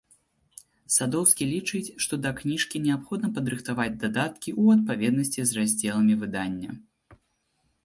Садоўскі лічыць, што да кніжкі неабходна падрыхтаваць дадаткі ў адпаведнасці з раздзеламі выдання.